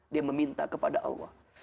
dia meminta kepada allah